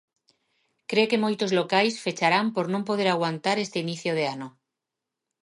Cre que moitos locais fecharán por non poder aguantar este inicio de ano.